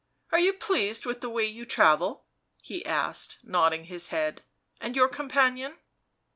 u Are you pleased with the way you travel?" he asked, nodding his head. " And your companion?"